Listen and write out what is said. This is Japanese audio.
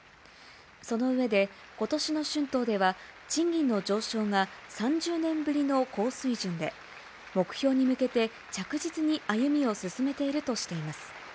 その上で、ことしの春闘では、賃金の上昇が３０年ぶりの高水準で、目標に向けて、着実に歩みを進めているとしています。